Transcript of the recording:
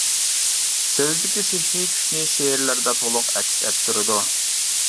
سۆزدىكى سېھرىي كۈچنى شېئىرلىرىدا تولۇق ئەكس ئەتتۈرىدۇ.